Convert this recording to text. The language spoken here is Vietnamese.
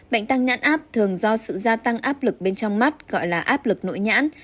bệnh tăng nhãn áp thường do sự gia tăng áp lực bên trong mắt gọi là áp lực nội nhãn